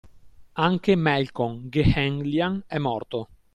Anche Melkon Gehenlyan è morto.